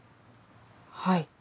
はい。